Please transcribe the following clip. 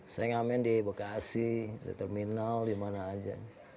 saya ngamen di bekasi di terminal di mana aja